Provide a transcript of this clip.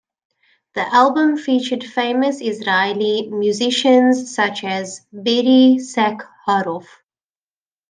The album featured famous Israeli musicians such as Berry Sakharof.